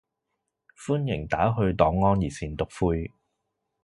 歡迎打去黨安熱線篤灰